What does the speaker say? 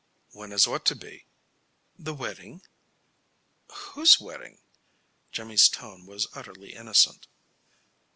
"When is what to be?" "The wedding." "Whose wedding?" Jimmy's tone was utterly innocent.